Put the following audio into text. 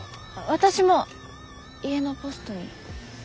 私も家のポストに。